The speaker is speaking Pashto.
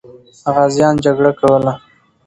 غازیان جګړه کوله.